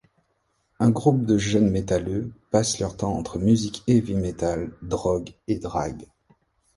Un groupe de jeunes Metalleux passent leur temps entre musique heavy-metal, drogues et drague.